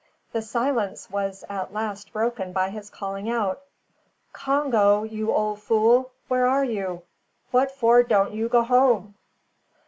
The silence was at last broken by his calling out "Congo, you ole fool, where are you? What for don't you go home?"